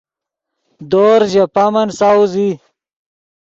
دورز ژے پامن ساؤز ای